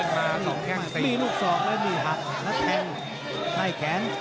มามีลูกสองแล้วทางใดแขน